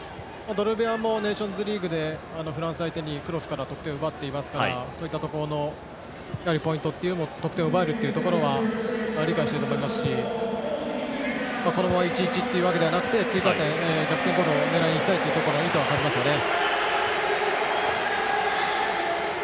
ドルベアもネーションズリーグでフランス相手に、クロスから得点を奪っていますからそういったところのポイントという得点を奪えるというところは理解していると思いますしこのまま１−１というわけではなく追加点、逆転ゴールを狙いにいきたいという意図は分かりますよね。